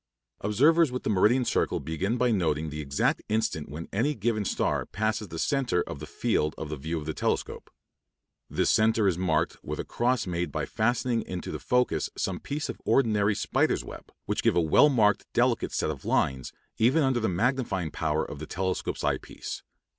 Observers with the meridian circle begin by noting the exact instant when any given star passes the centre of the field of view of the telescope. This centre is marked with a cross made by fastening into the focus some pieces of ordinary spider's web, which give a well marked, delicate set of lines, even under the magnifying power of the telescope's eye piece.